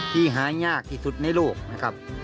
หายากที่สุดในโลกนะครับ